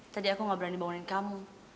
tadi aku gak berani bangunin kamu